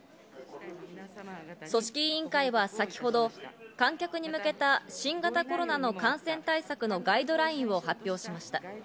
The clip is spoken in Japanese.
組織委員会は先ほど観客に向けた新型コロナの感染対策のガイドラインを発表しました。